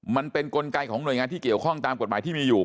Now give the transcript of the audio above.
มันเป็นกลไกของหน่วยงานที่เกี่ยวข้องตามกฎหมายที่มีอยู่